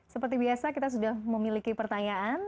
seperti biasa kita sudah memiliki pertanyaan